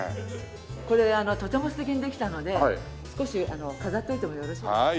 これとても素敵にできたので少し飾っておいてもよろしいですか？